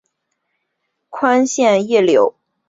宽线叶柳为杨柳科柳属下的一个变种。